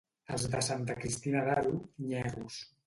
Els de Santa Cristina d'Aro, nyerros.